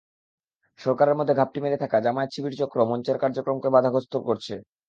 সরকারের মধ্যে ঘাপটি মেরে থাকা জামায়াত-শিবির চক্র মঞ্চের কার্যক্রমকে বাধাগ্রস্ত করছে।